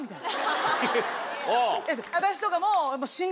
私とかも。